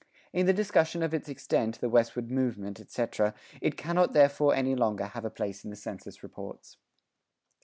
In the discussion of its extent, the westward movement, etc., it cannot therefore any longer have a place in the census reports.